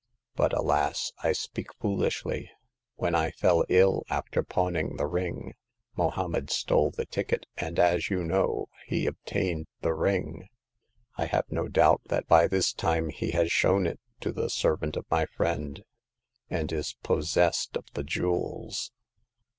But, alas ! I speak foolishly. When I fell ill after pawning the ring, Mohommed stole the ticket, and, as you know, he obtained the ring. I have no doubt that by this time he has shown it to the servant oi my friend, and is pos The Tenth Customer. 263 sessed of the jewels.